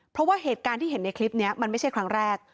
เพราะว่าเหตุการณ์ที่เห็นในคลิปนี้มันไม่ใช่ครั้งแรก